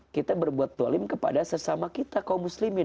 kita berbuat dolim kepada sesama kita kaum muslimin